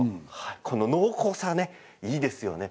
この濃厚さがいいですよね。